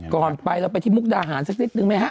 ก่อนไปเราไปที่มุกดาหารสักนิดนึงไหมฮะ